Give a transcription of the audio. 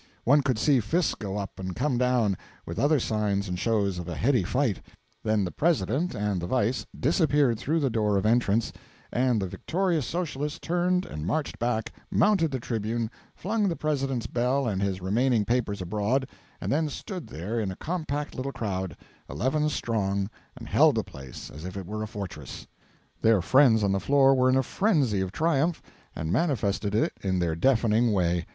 One could see fists go up and come down, with other signs and shows of a heady fight; then the President and the Vice disappeared through the door of entrance, and the victorious Socialists turned and marched back, mounted the tribune, flung the President's bell and his remaining papers abroad, and then stood there in a compact little crowd, eleven strong, and held the place as if it were a fortress. Their friends on the floor were in a frenzy of triumph, and manifested it in their deafening way.